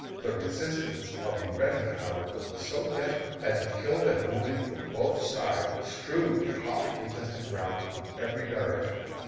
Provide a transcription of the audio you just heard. The resistance of the regiment, however, was so desperate that the killed and wounded from both sides strewed the hotly contested ground in every direction.